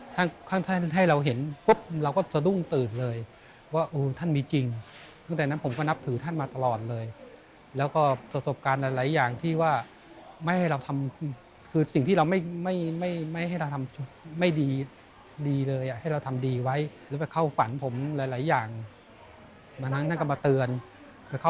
ช่วยบุรณาวัฒน์จุลาวนีให้เจริญรุ่งเรือง